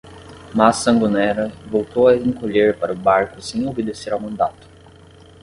Mas Sangonera voltou a encolher para o barco sem obedecer ao mandato.